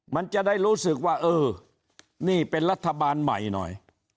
มันจะได้รู้สึกว่าเออนี่เป็นรัฐบาลใหม่หน่อย